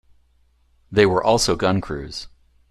They were also gun crews.